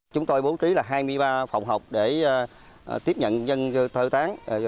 chúng tôi bố trí là hai mươi ba phòng học để tiếp nhận dân sơ tán